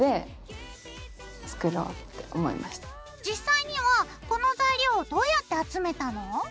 実際にはこの材料どうやって集めたの？